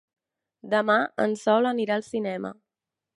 Demà en Sol anirà al cinema.